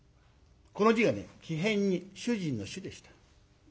この字がね木偏に主人の「主」でした。